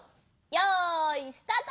よいスタート！